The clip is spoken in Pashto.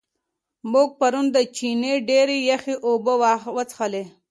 موږ پرون د چینې ډېرې یخې اوبه وڅښلې.